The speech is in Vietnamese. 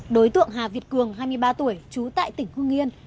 đối tượng hà việt cường hai mươi ba tuổi trú tại tỉnh hương yên